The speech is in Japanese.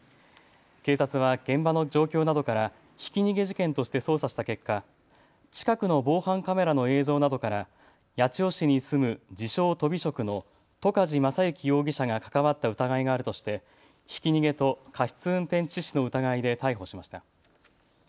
警察は現場の状況などからひき逃げ事件として捜査した結果、近くの防犯カメラの映像などから八千代市に住む自称、とび職の戸梶将行容疑者が関わった疑いがあるとしてひき逃げと過失運転致死の疑いで逮捕しました。